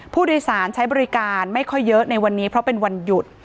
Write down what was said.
ผู้โดยสารใช้บริการไม่ค่อยเยอะในวันนี้เพราะเป็นวันหยุด